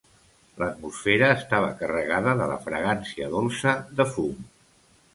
L'atmosfera estava carregada de la fragància dolça de fum.